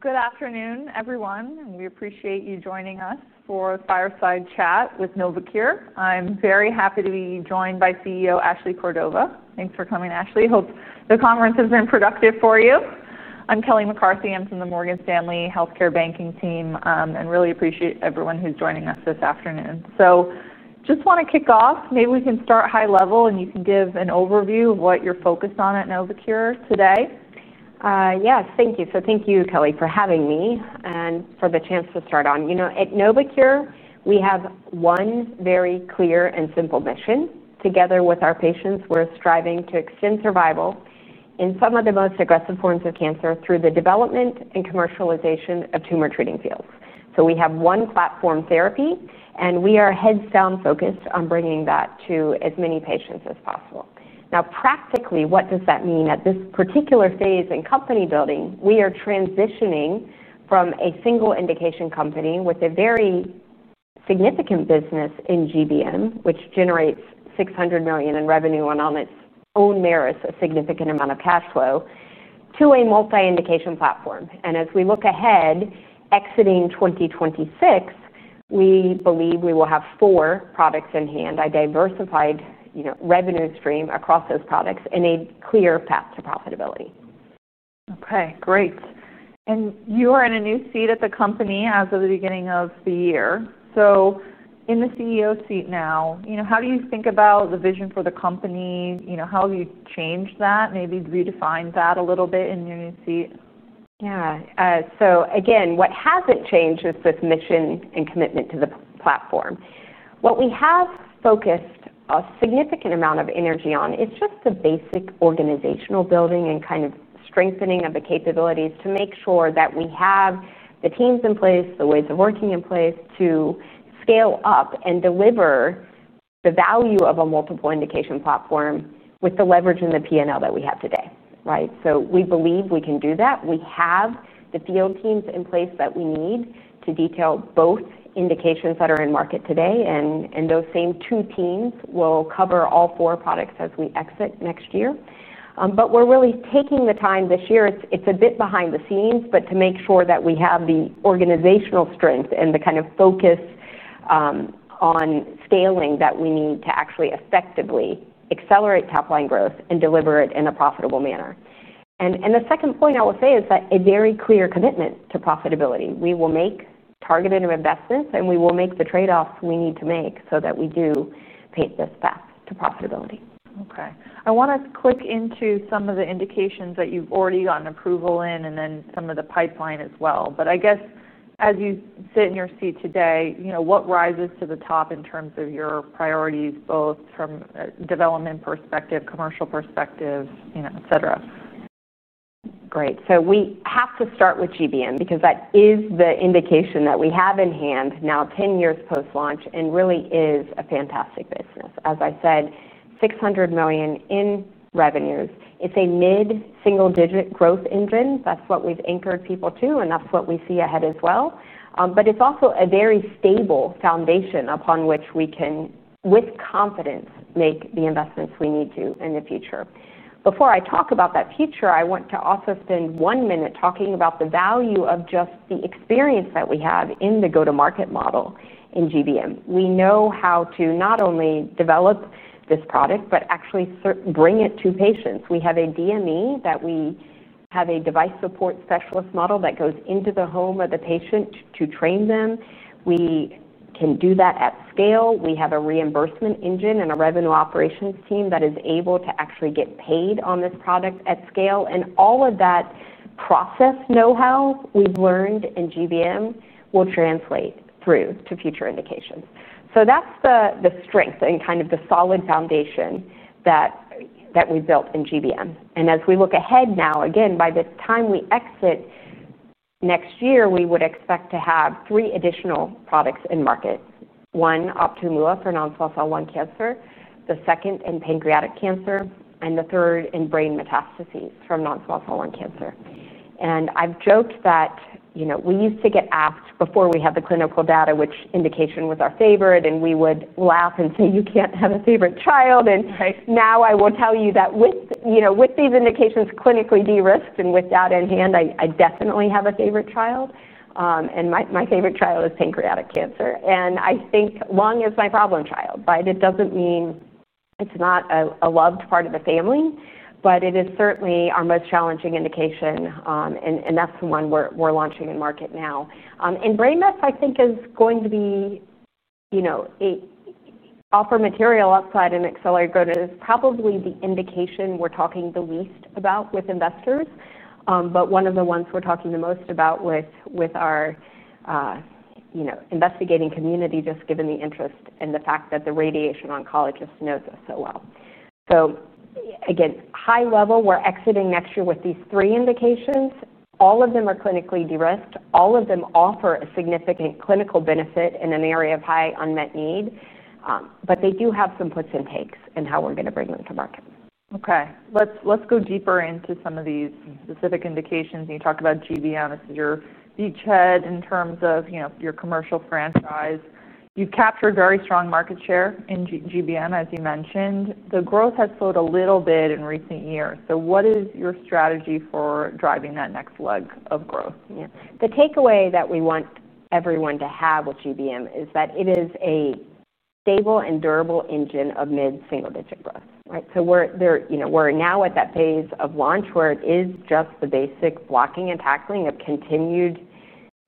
Good afternoon, everyone, and we appreciate you joining us for a fireside chat with Novocure. I'm very happy to be joined by CEO Ashley Cordova. Thanks for coming, Ashley. Hope the conference has been productive for you. I'm Kelly McCarthy. I'm from the Morgan Stanley Healthcare Banking Team, and really appreciate everyone who's joining us this afternoon. I just want to kick off. Maybe we can start high level, and you can give an overview of what you're focused on at Novocure today. Yes, thank you. Thank you, Kelly, for having me and for the chance to start on. At Novocure, we have one very clear and simple mission. Together with our patients, we're striving to extend survival in some of the most aggressive forms of cancer through the development and commercialization of Tumor Treating Fields. We have one platform therapy, and we are headstrong focused on bringing that to as many patients as possible. Now, practically, what does that mean at this particular phase in company building? We are transitioning from a single indication company with a very significant business in GBM, which generates $600 million in revenue and on its own merits a significant amount of cash flow, to a multi-indication platform. As we look ahead, exiting 2026, we believe we will have four products in hand, a diversified revenue stream across those products, and a clear path to profitability. Okay, great. You are in a new seat at the company as of the beginning of the year. In the CEO seat now, how do you think about the vision for the company? How have you changed that, maybe redefined that a little bit in your new seat? Yeah. What hasn't changed is this mission and commitment to the platform. What we have focused a significant amount of energy on is just the basic organizational building and kind of strengthening of the capabilities to make sure that we have the teams in place, the ways of working in place to scale up and deliver the value of a multi-indication platform with the leverage and the P&L that we have today, right? We believe we can do that. We have the field teams in place that we need to detail both indications that are in market today, and those same two teams will cover all four products as we exit next year. We're really taking the time this year. It's a bit behind the scenes, but to make sure that we have the organizational strength and the kind of focus on scaling that we need to actually effectively accelerate top-line growth and deliver it in a profitable manner. The second point I will say is that a very clear commitment to profitability. We will make targeted investments, and we will make the trade-offs we need to make so that we do paint this path to profitability. Okay. I want to click into some of the indications that you've already gotten approval in and then some of the pipeline as well. I guess as you sit in your seat today, what rises to the top in terms of your priorities, both from a development perspective, commercial perspective, etc.? Great. We have to start with GBM because that is the indication that we have in hand now, 10 years post-launch, and really is a fantastic business. As I've said, $600 million in revenues. It's a mid-single-digit growth engine. That's what we've anchored people to, and that's what we see ahead as well. It's also a very stable foundation upon which we can, with confidence, make the investments we need to in the future. Before I talk about that future, I want to also spend one minute talking about the value of just the experience that we have in the go-to-market model in GBM. We know how to not only develop this product, but actually bring it to patients. We have a DME, we have a device support specialist model that goes into the home of the patient to train them. We can do that at scale. We have a reimbursement engine and a revenue operations team that is able to actually get paid on this product at scale. All of that process know-how we've learned in GBM will translate through to future indications. That's the strength and kind of the solid foundation that we built in GBM. As we look ahead now, by the time we exit next year, we would expect to have three additional products in market. One, Optune for non-small cell lung cancer, the second in pancreatic cancer, and the third in brain metastases from non-small cell lung cancer. I've joked that, you know, we used to get asked before we had the clinical data, which indication was our favorite, and we would laugh and say, "You can't have a favorite child." Now I will tell you that with these indications clinically de-risked and with data in hand, I definitely have a favorite child, and my favorite child is pancreatic cancer. I think lung is my problem child, but it doesn't mean it's not a loved part of the family, but it is certainly our most challenging indication. That's the one we're launching in market now. BrainMet, I think, is going to offer material upside and accelerate growth. It is probably the indication we're talking the least about with investors, but one of the ones we're talking the most about with our investigating community, just given the interest and the fact that the radiation oncologist knows us so well. High level, we're exiting next year with these three indications. All of them are clinically de-risked. All of them offer a significant clinical benefit in an area of high unmet need, but they do have some puts and takes in how we're going to bring them to market. Okay. Let's go deeper into some of these specific indications. You talk about GBM as your beachhead in terms of your commercial franchise. You captured very strong market share in GBM, as you mentioned. The growth has slowed a little bit in recent years. What is your strategy for driving that next leg of growth? Yeah. The takeaway that we want everyone to have with GBM is that it is a stable and durable engine of mid-single-digit growth, right? We're there, we're now at that phase of launch where it is just the basic blocking and tackling of continued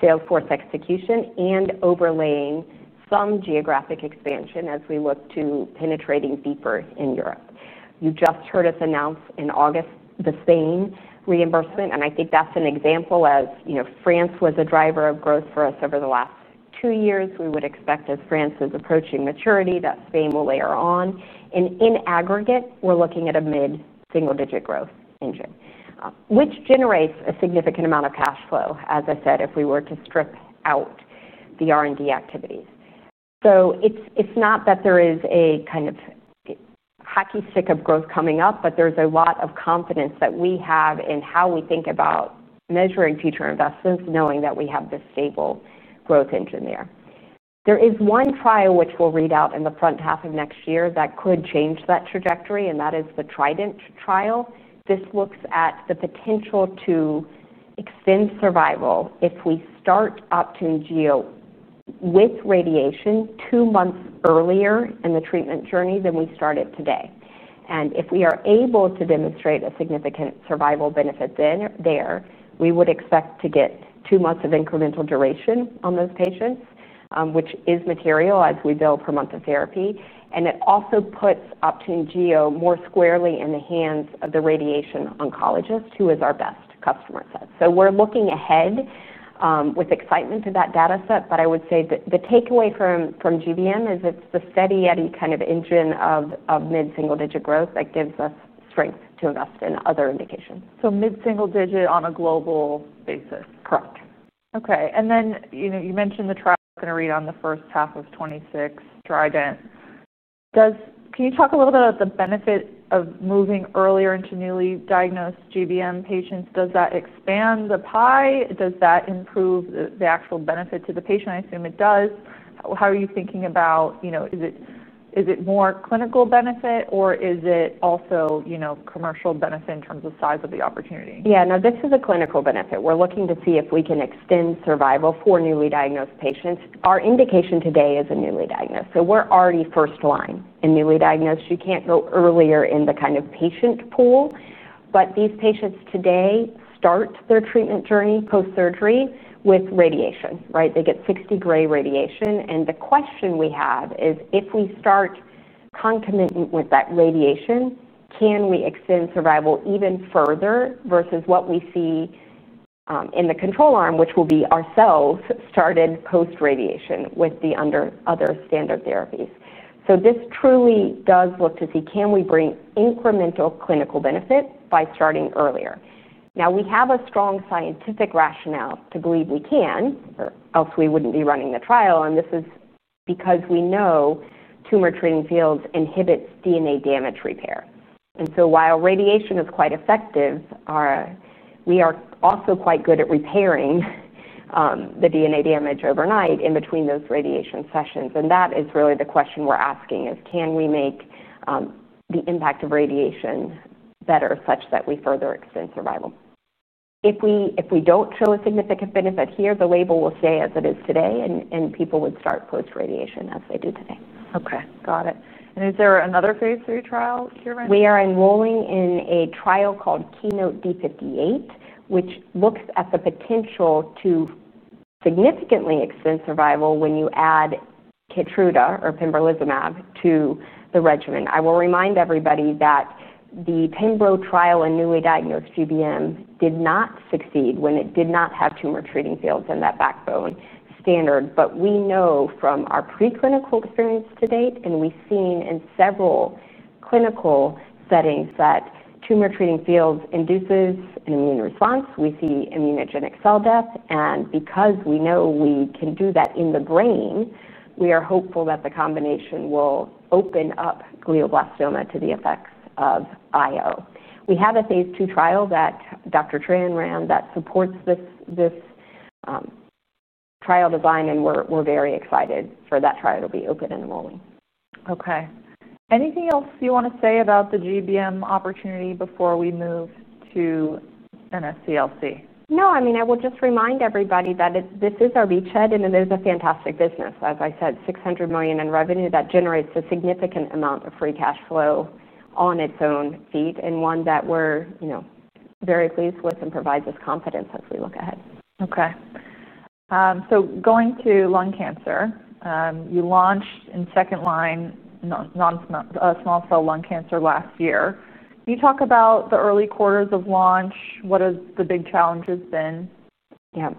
salesforce execution and overlaying some geographic expansion as we look to penetrating deeper in Europe. You just heard us announce in August the Spain reimbursement, and I think that's an example of France was a driver of growth for us over the last two years. We would expect as France is approaching maturity that Spain will layer on. In aggregate, we're looking at a mid-single-digit growth engine, which generates a significant amount of cash flow, as I said, if we were to strip out the R&D activities. It's not that there is a kind of hockey stick of growth coming up, but there's a lot of confidence that we have in how we think about measuring future investments, knowing that we have this stable growth engine there. There is one trial which will read out in the front half of next year that could change that trajectory, and that is the Trident trial. This looks at the potential to extend survival if we start Optune with radiation two months earlier in the treatment journey than we start today. If we are able to demonstrate a significant survival benefit there, we would expect to get two months of incremental duration on those patients, which is material as we build per month of therapy. It also puts Optune more squarely in the hands of the radiation oncologist, who is our best customer set. We're looking ahead with excitement to that data set. I would say that the takeaway from GBM is it's the steady kind of engine of mid-single-digit growth that gives us strength to invest in other indications. Mid-single-digit on a global basis. Correct. Okay. You mentioned the trial you're going to read on the first half of 2026, Trident. Can you talk a little bit about the benefit of moving earlier into newly diagnosed GBM patients? Does that expand the pie? Does that improve the actual benefit to the patient? I assume it does. How are you thinking about, you know, is it more clinical benefit, or is it also, you know, commercial benefit in terms of size of the opportunity? Yeah. No, this is a clinical benefit. We're looking to see if we can extend survival for newly diagnosed patients. Our indication today is a newly diagnosed. We're already first line in newly diagnosed. You can't go earlier in the kind of patient pool. These patients today start their treatment journey post-surgery with radiation, right? They get 60 gray radiation. The question we have is if we start concomitant with that radiation, can we extend survival even further versus what we see in the control arm, which will be ourselves started post-radiation with the other standard therapies? This truly does look to see can we bring incremental clinical benefit by starting earlier. We have a strong scientific rationale to believe we can, or else we wouldn't be running the trial. This is because we know Tumor Treating Fields inhibit DNA damage repair. While radiation is quite effective, we are also quite good at repairing the DNA damage overnight in between those radiation sessions. That is really the question we're asking: can we make the impact of radiation better such that we further extend survival? If we don't show a significant benefit here, the label will stay as it is today, and people would start post-radiation as they do today. Okay. Got it. Is there another phase three trial here right now? We are enrolling in a trial called KEYNOTE D58, which looks at the potential to significantly extend survival when you add Keytruda or pembrolizumab to the regimen. I will remind everybody that the pembrolizumab trial in newly diagnosed GBM did not succeed when it did not have Tumor Treating Fields in that backbone standard. We know from our preclinical experience to date, and we've seen in several clinical settings that Tumor Treating Fields induce an immune response. We see immunogenic cell death. Because we know we can do that in the brain, we are hopeful that the combination will open up glioblastoma to the effects of IO. We have a phase 2 trial that Dr. Tran ran that supports this trial design, and we're very excited for that trial to be open enrolling. Okay. Anything else you want to say about the GBM opportunity before we move to NSCLC? No. I mean, I will just remind everybody that this is our beachhead, and it is a fantastic business. As I said, $600 million in revenue that generates a significant amount of free cash flow on its own feet, and one that we're, you know, very pleased with and provides us confidence as we look ahead. Okay. Going to lung cancer, you launched in second line, non-small cell lung cancer last year. Can you talk about the early quarters of launch? What have the big challenges been? Yeah.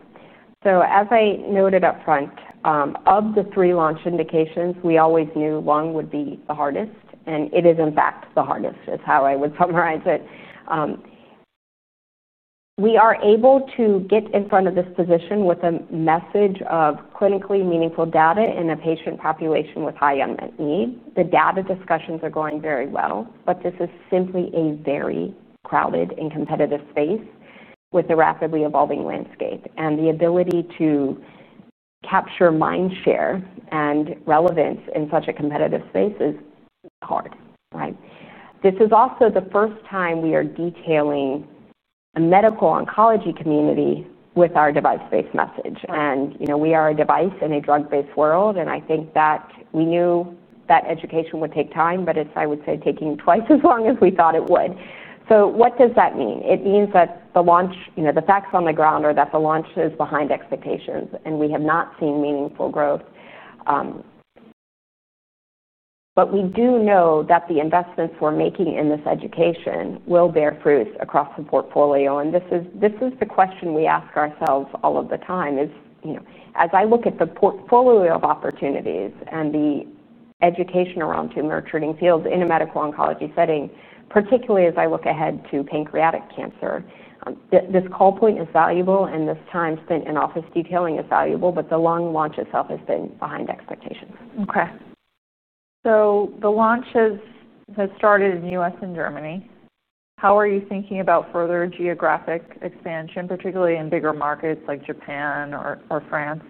As I noted up front, of the three launch indications, we always knew lung would be the hardest, and it is, in fact, the hardest, is how I would summarize it. We are able to get in front of this position with a message of clinically meaningful data in a patient population with high unmet need. The data discussions are going very well, but this is simply a very crowded and competitive space with a rapidly evolving landscape. The ability to capture mind share and relevance in such a competitive space is hard, right? This is also the first time we are detailing a medical oncology community with our device-based message. You know, we are a device in a drug-based world, and I think that we knew that education would take time, but it's, I would say, taking twice as long as we thought it would. What does that mean? It means that the launch, you know, the facts on the ground are that the launch is behind expectations, and we have not seen meaningful growth. We do know that the investments we're making in this education will bear fruits across the portfolio. This is the question we ask ourselves all of the time, you know, as I look at the portfolio of opportunities and the education around Tumor Treating Fields in a medical oncology setting, particularly as I look ahead to pancreatic cancer, this call point is valuable, and this time spent in office detailing is valuable, but the lung launch itself has been behind expectations. Okay. The launch has started in the U.S. and Germany. How are you thinking about further geographic expansion, particularly in bigger markets like Japan or France?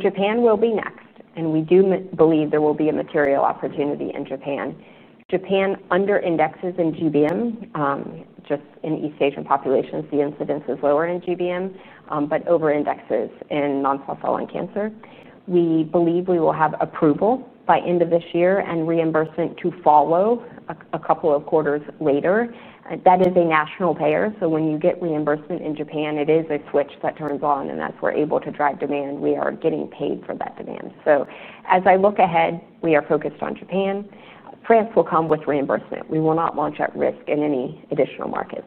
Japan will be next, and we do believe there will be a material opportunity in Japan. Japan under-indexes in GBM. Just in East Asian populations, the incidence is lower in GBM, but over-indexes in non-small cell lung cancer. We believe we will have approval by the end of this year and reimbursement to follow a couple of quarters later. That is a national payer. When you get reimbursement in Japan, it is a switch that turns on, and as we're able to drive demand, we are getting paid for that demand. As I look ahead, we are focused on Japan. France will come with reimbursement. We will not launch at risk in any additional markets.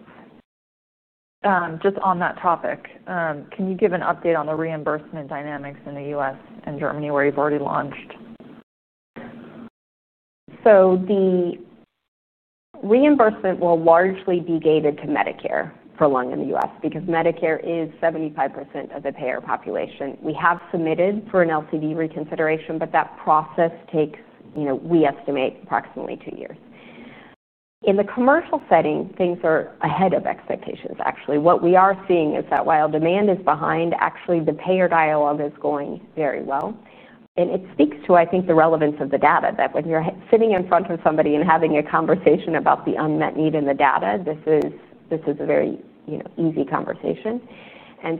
Just on that topic, can you give an update on the reimbursement dynamics in the U.S. and Germany where you've already launched? The reimbursement will largely be gated to Medicare for lung in the U.S. because Medicare is 75% of the payer population. We have submitted for an LCD reconsideration, but that process takes, you know, we estimate approximately two years. In the commercial setting, things are ahead of expectations, actually. What we are seeing is that while demand is behind, actually, the payer dialogue is going very well. It speaks to, I think, the relevance of the data that when you're sitting in front of somebody and having a conversation about the unmet need in the data, this is a very, you know, easy conversation.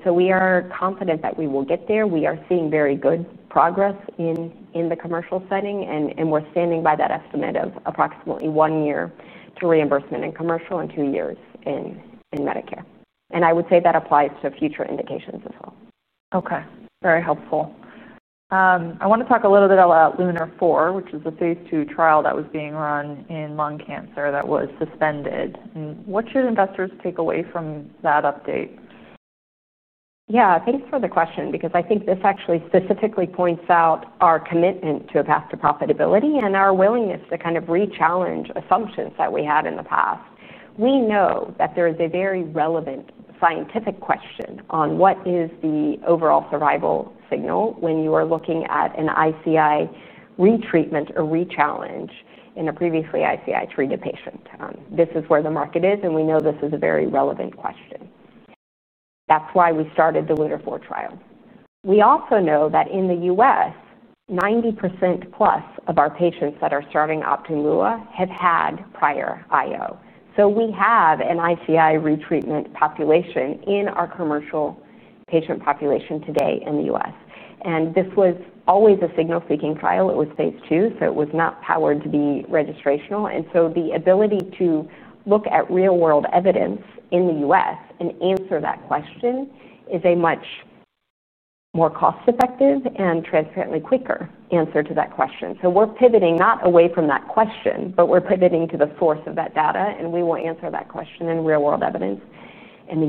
We are confident that we will get there. We are seeing very good progress in the commercial setting, and we're standing by that estimate of approximately one year to reimbursement in commercial and two years in Medicare. I would say that applies to future indications as well. Okay. Very helpful. I want to talk a little bit about Luminar 4, which is the phase two trial that was being run in lung cancer that was suspended. What should investors take away from that update? Yeah. Thanks for the question because I think this actually specifically points out our commitment to a path to profitability and our willingness to kind of re-challenge assumptions that we had in the past. We know that there is a very relevant scientific question on what is the overall survival signal when you are looking at an ICI re-treatment or re-challenge in a previously ICI-treated patient. This is where the market is, and we know this is a very relevant question. That's why we started the Luminar 4 trial. We also know that in the U.S., 90%+ of our patients that are starting Optune have had prior IO. We have an ICI re-treatment population in our commercial patient population today in the U.S. This was always a signal-seeking trial. It was phase two, so it was not powered to be registrational. The ability to look at real-world evidence in the U.S. and answer that question is a much more cost-effective and transparently quicker answer to that question. We're pivoting not away from that question, but we're pivoting to the force of that data, and we will answer that question in real-world evidence in the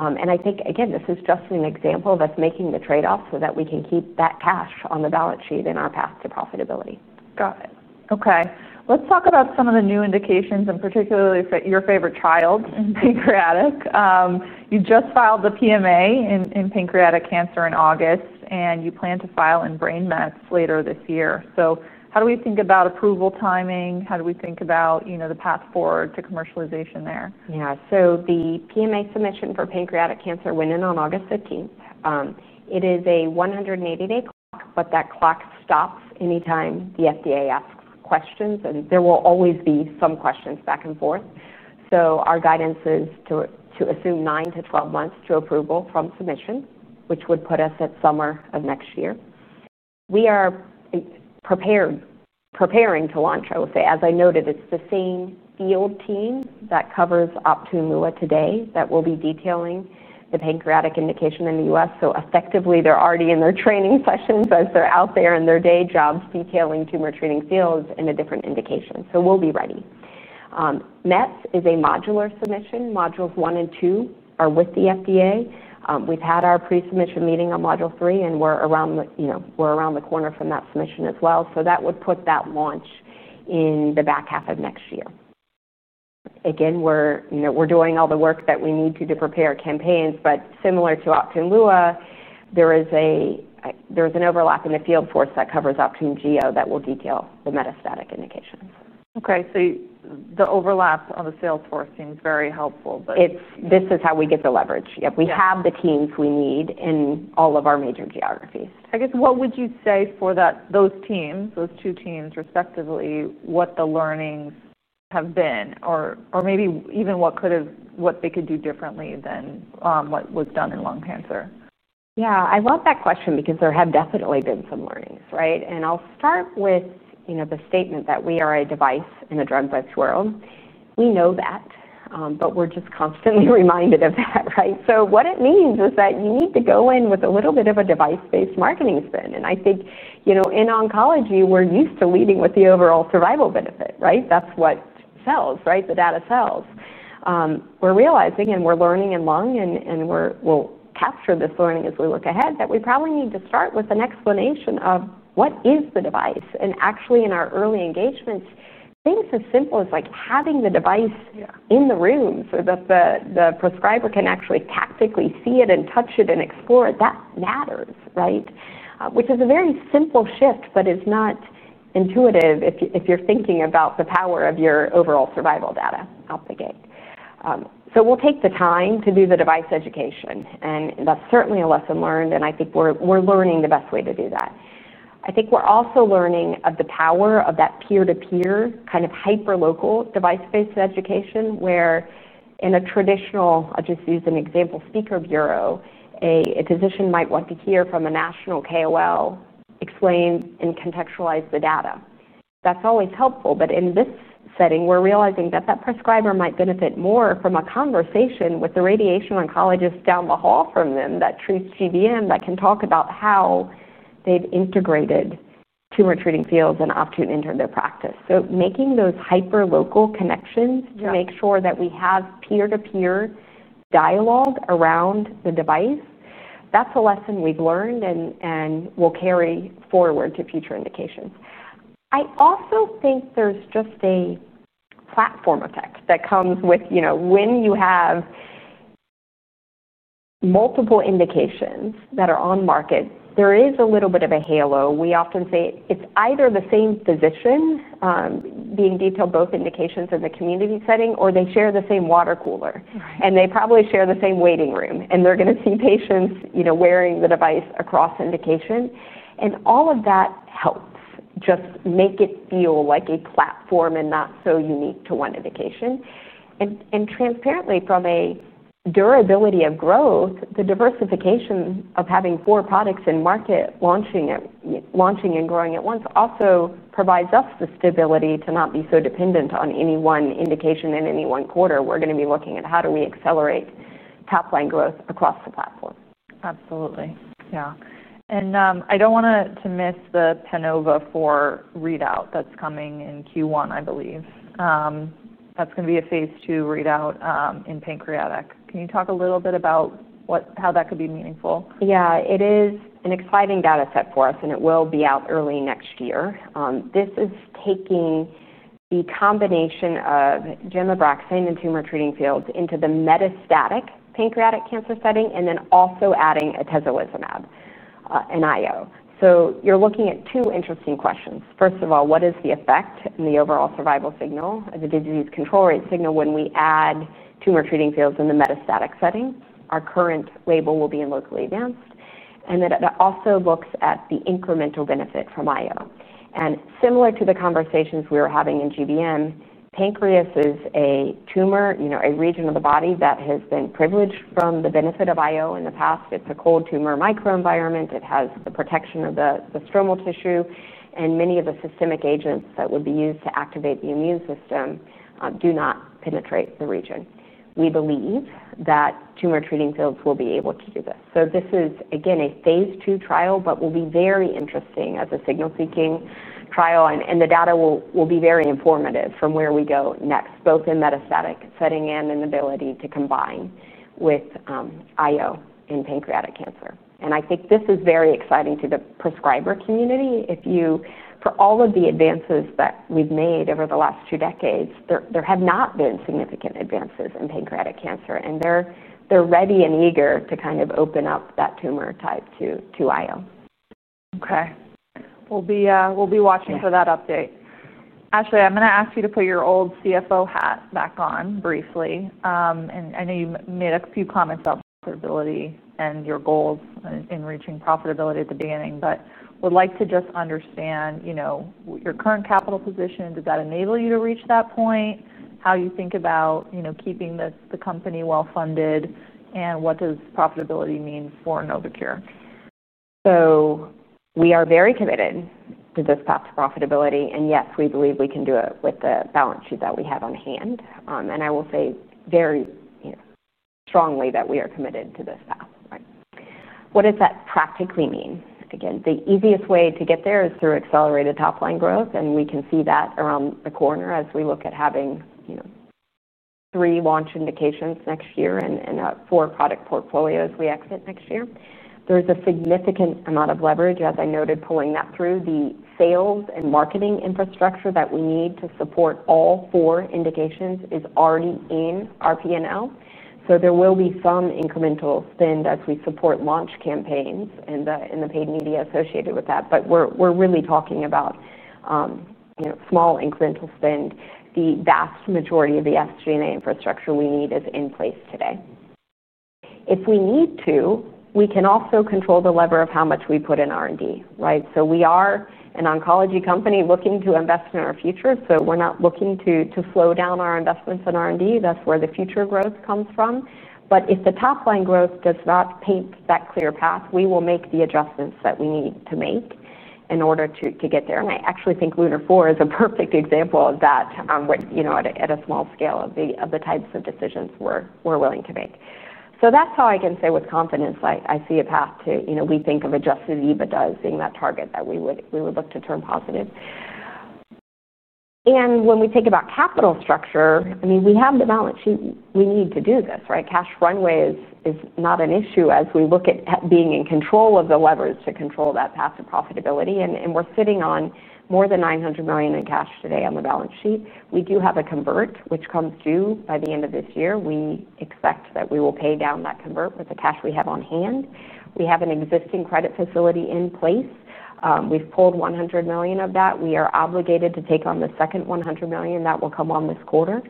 U.S. I think, again, this is just an example of us making the trade-off so that we can keep that cash on the balance sheet in our path to profitability. Got it. Okay. Let's talk about some of the new indications and particularly your favorite child, pancreatic. You just filed the PMA in pancreatic cancer in August, and you plan to file in BrainMet later this year. How do we think about approval timing? How do we think about, you know, the path forward to commercialization there? Yeah. The PMA submission for pancreatic cancer went in on August 15th. It is a 180-day clock, but that clock stops anytime the FDA asks questions, and there will always be some questions back and forth. Our guidance is to assume 9 to 12 months to approval from submission, which would put us at summer of next year. We are preparing to launch, I would say. As I noted, it's the same field team that covers Optune today that will be detailing the pancreatic indication in the U.S. Effectively, they're already in their training sessions as they're out there in their day jobs detailing Tumor Treating Fields in a different indication. We'll be ready. BrainMet is a modular submission. Modules one and two are with the FDA. We've had our pre-submission meeting on module three, and we're around the corner from that submission as well. That would put that launch in the back half of next year. Again, we're doing all the work that we need to prepare campaigns, but similar to Optune, there is an overlap in the field force that covers Optune that will detail the metastatic indications. Okay. The overlap on the field team is very helpful. This is how we get the leverage. We have the teams we need in all of our major geographies. I guess, what would you say for those teams, those two teams respectively, what the learnings have been, or maybe even what they could have, what they could do differently than what was done in lung cancer? Yeah. I love that question because there have definitely been some learnings, right? I'll start with the statement that we are a device in a drug-based world. We know that, but we're just constantly reminded of that, right? What it means is that you need to go in with a little bit of a device-based marketing spin. I think in oncology, we're used to leading with the overall survival benefit, right? That's what sells, right? The data sells. We're realizing, and we're learning in lung, and we'll capture this learning as we look ahead, that we probably need to start with an explanation of what is the device. Actually, in our early engagements, things as simple as having the device in the room so that the prescriber can actually tactically see it and touch it and explore it, that matters, right? Which is a very simple shift, but it's not intuitive if you're thinking about the power of your overall survival data out the gate. We'll take the time to do the device education, and that's certainly a lesson learned, and I think we're learning the best way to do that. I think we're also learning the power of that peer-to-peer kind of hyperlocal device-based education where, in a traditional, I'll just use an example, speaker bureau, a physician might want to hear from a national KOL explain and contextualize the data. That's always helpful. In this setting, we're realizing that the prescriber might benefit more from a conversation with the radiation oncologist down the hall from them that treats GBM that can talk about how they've integrated Tumor Treating Fields and Optune into their practice. Making those hyperlocal connections to make sure that we have peer-to-peer dialogue around the device, that's a lesson we've learned and will carry forward to future indications. I also think there's just a platform effect that comes with, you know, when you have multiple indications that are on market, there is a little bit of a halo. We often say it's either the same physician, being detailed both indications in the community setting, or they share the same water cooler, and they probably share the same waiting room, and they're going to see patients wearing the device across indication. All of that helps just make it feel like a platform and not so unique to one indication. Transparently, from a durability of growth, the diversification of having four products in market, launching and growing at once also provides us the stability to not be so dependent on any one indication in any one quarter. We're going to be looking at how do we accelerate top-line growth across the platform. Absolutely. I don't want to miss the PENOVA trial readout that's coming in Q1, I believe. That's going to be a phase two readout in pancreatic. Can you talk a little bit about how that could be meaningful? Yeah. It is an exciting data set for us, and it will be out early next year. This is taking the combination of Gemabraxane and Tumor Treating Fields into the metastatic pancreatic cancer setting and then also adding atezolizumab and IO. You're looking at two interesting questions. First of all, what is the effect and the overall survival signal and the disease control rate signal when we add Tumor Treating Fields in the metastatic setting? Our current label will be in locally advanced. It also looks at the incremental benefit from IO. Similar to the conversations we were having in GBM, pancreas is a tumor, you know, a region of the body that has been privileged from the benefit of IO in the past. It's a cold tumor microenvironment. It has the protection of the stromal tissue, and many of the systemic agents that would be used to activate the immune system do not penetrate the region. We believe that Tumor Treating Fields will be able to do this. This is, again, a phase two trial, but will be very interesting as a signal-seeking trial, and the data will be very informative from where we go next, both in metastatic setting and in the ability to combine with IO in pancreatic cancer. I think this is very exciting to the prescriber community. For all of the advances that we've made over the last two decades, there have not been significant advances in pancreatic cancer, and they're ready and eager to kind of open up that tumor type to IO. Okay. We'll be watching for that update. Ashley, I'm going to ask you to put your old CFO hat back on briefly. I know you made a few comments about profitability and your goals in reaching profitability at the beginning, but would like to just understand your current capital position. Did that enable you to reach that point? How do you think about keeping the company well-funded, and what does profitability mean for Novocure? We are very committed to this path to profitability, and yes, we believe we can do it with the balance sheet that we have on hand. I will say very strongly that we are committed to this path. What does that practically mean? Again, the easiest way to get there is through accelerated top-line growth, and we can see that around the corner as we look at having three launch indications next year and four product portfolios as we exit next year. There's a significant amount of leverage, as I noted, pulling that through. The sales and marketing infrastructure that we need to support all four indications is already in our P&L. There will be some incremental spend as we support launch campaigns and the paid media associated with that, but we're really talking about small incremental spend. The vast majority of the SG&A infrastructure we need is in place today. If we need to, we can also control the lever of how much we put in R&D, right? We are an oncology company looking to invest in our future, so we're not looking to slow down our investments in R&D. That's where the future growth comes from. If the top-line growth does not paint that clear path, we will make the adjustments that we need to make in order to get there. I actually think Luminar 4 is a perfect example of that, at a small scale, of the types of decisions we're willing to make. That's how I can say with confidence, I see a path to, you know, we think of adjusted EBITDA as being that target that we would look to turn positive. When we think about capital structure, we have the balance sheet. We need to do this, right? Cash runway is not an issue as we look at being in control of the levers to control that path to profitability. We're sitting on more than $900 million in cash today on the balance sheet. We do have a convert, which comes due by the end of this year. We expect that we will pay down that convert with the cash we have on hand. We have an existing credit facility in place. We've pulled $100 million of that. We are obligated to take on the second $100 million that will come on this quarter.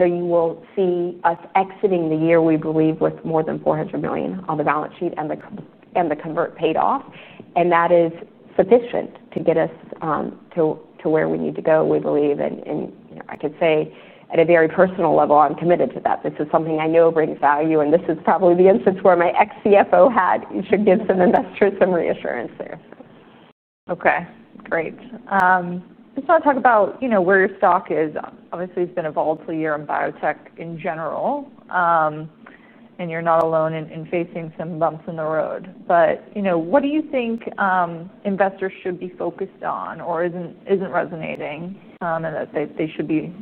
You will see us exiting the year, we believe, with more than $400 million on the balance sheet and the convert paid off. That is sufficient to get us to where we need to go, we believe. I could say at a very personal level, I'm committed to that. This is something I know brings value, and this is probably the instance where my ex-CFO hat should give some investors some reassurance there. Okay. Great. I just want to talk about, you know, where your stock is. Obviously, it's been a volatile year in biotech in general, and you're not alone in facing some bumps in the road. What do you think investors should be focused on or isn't resonating, and that they should be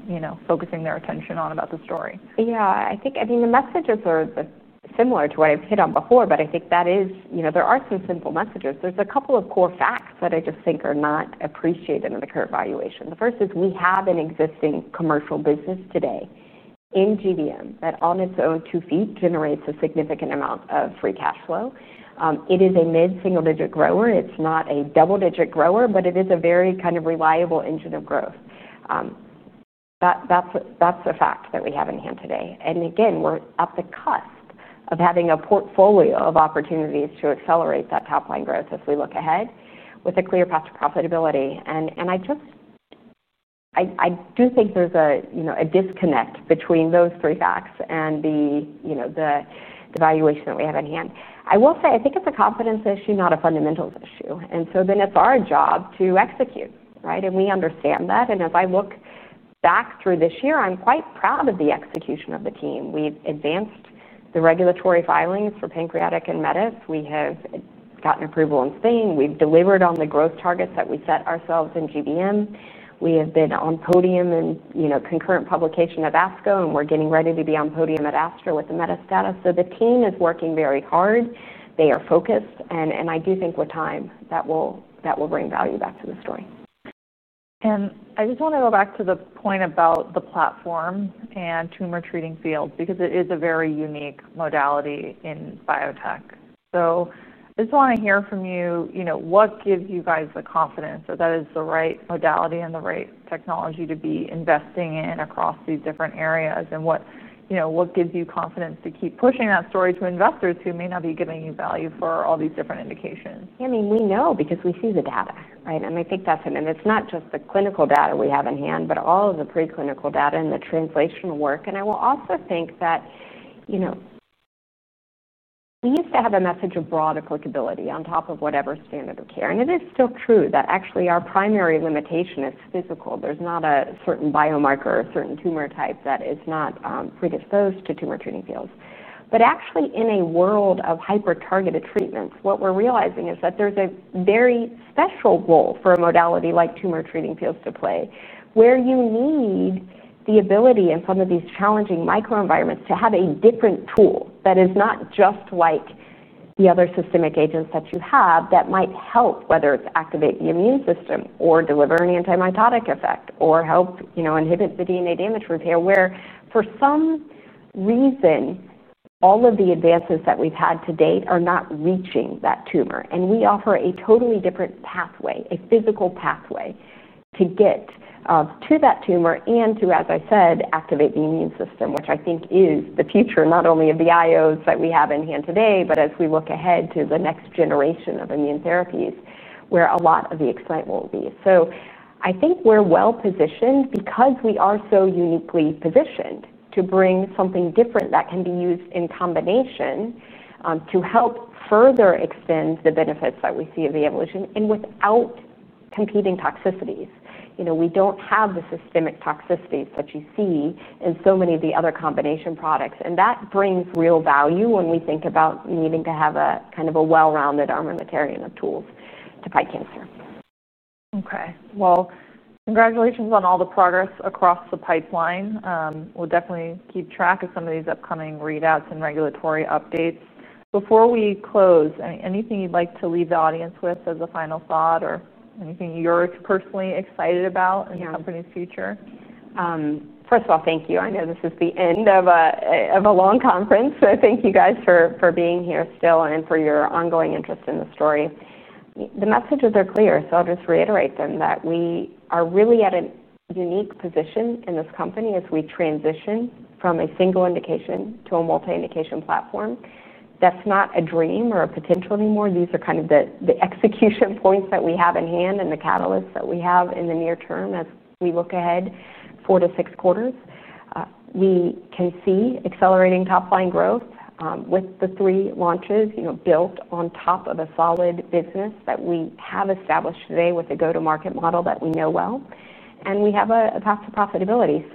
focusing their attention on about the story? Yeah. I think, I mean, the messages are similar to what I've hit on before, but I think that is, you know, there are some simple messages. There's a couple of core facts that I just think are not appreciated at the current valuation. The first is we have an existing commercial business today in GBM that on its own two feet generates a significant amount of free cash flow. It is a mid-single-digit grower. It's not a double-digit grower, but it is a very kind of reliable engine of growth. That's a fact that we have in hand today. Again, we're at the cusp of having a portfolio of opportunities to accelerate that top-line growth as we look ahead with a clear path to profitability. I just, I do think there's a, you know, a disconnect between those three facts and the, you know, the valuation that we have in hand. I will say I think it's a confidence issue, not a fundamentals issue. It is our job to execute, right? We understand that. If I look back through this year, I'm quite proud of the execution of the team. We've advanced the regulatory filings for pancreatic and BrainMet. We have gotten approval in Spain. We've delivered on the growth targets that we set ourselves in GBM. We have been on podium in, you know, concurrent publication of ASCO, and we're getting ready to be on podium at ASTRO with the metastatic. The team is working very hard. They are focused. I do think with time that will bring value back to the story. I just want to go back to the point about the platform and Tumor Treating Fields because it is a very unique modality in biotech. I just want to hear from you, you know, what gives you guys the confidence that that is the right modality and the right technology to be investing in across these different areas? What gives you confidence to keep pushing that story to investors who may not be giving you value for all these different indications? I mean, we know because we see the data, right? I think that's it. It's not just the clinical data we have in hand, but all of the preclinical data and the translational work. I will also think that, you know, we used to have a message of broad applicability on top of whatever standard of care. It is still true that actually our primary limitation is physical. There's not a certain biomarker or a certain tumor type that is not predisposed to Tumor Treating Fields. Actually, in a world of hyper-targeted treatments, what we're realizing is that there's a very special role for a modality like Tumor Treating Fields to play where you need the ability in some of these challenging microenvironments to have a different tool that is not just like the other systemic agents that you have that might help, whether it's activate the immune system or deliver an antimitotic effect or help, you know, inhibit the DNA damage repair, where for some reason, all of the advances that we've had to date are not reaching that tumor. We offer a totally different pathway, a physical pathway to get to that tumor and to, as I said, activate the immune system, which I think is the future not only of the IOs that we have in hand today, but as we look ahead to the next generation of immune therapies where a lot of the excitement will be. I think we're well positioned because we are so uniquely positioned to bring something different that can be used in combination, to help further extend the benefits that we see of the ablation and without competing toxicities. We don't have the systemic toxicities that you see in so many of the other combination products. That brings real value when we think about needing to have a kind of a well-rounded armamentarium of tools to fight cancer. Congratulations on all the progress across the pipeline. We'll definitely keep track of some of these upcoming readouts and regulatory updates. Before we close, anything you'd like to leave the audience with as a final thought or anything you're personally excited about in the company's future? First of all, thank you. I know this is the end of a long conference. Thank you guys for being here still and for your ongoing interest in the story. The messages are clear, so I'll just reiterate them that we are really at a unique position in this company as we transition from a single indication to a multi-indication platform. That's not a dream or a potential anymore. These are kind of the execution points that we have in hand and the catalysts that we have in the near term as we look ahead four to six quarters. We can see accelerating top-line growth, with the three launches, built on top of a solid business that we have established today with a go-to-market model that we know well. We have a path to profitability.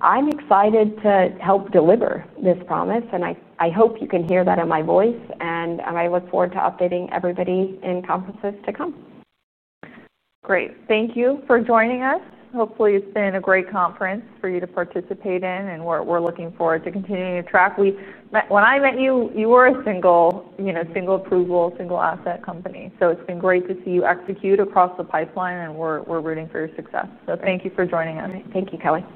I'm excited to help deliver this promise, and I hope you can hear that in my voice. I look forward to updating everybody in conferences to come. Great. Thank you for joining us. Hopefully, it's been a great conference for you to participate in, and we're looking forward to continuing to track. When I met you, you were a single, single approval, single asset company. It's been great to see you execute across the pipeline, and we're rooting for your success. Thank you for joining us. Thank you, Kelly.